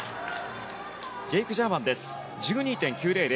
ジェイク・ジャーマンです。１２．９００。